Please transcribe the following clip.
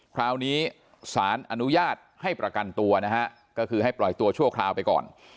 คราวนี้สารอนุญาตให้ประกันตัวนะฮะก็คือให้ปล่อยตัวชั่วคราวไปก่อน